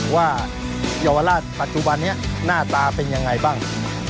เยาวราชปัจจุบันนี้หน้าตาเป็นยังไงบ้าง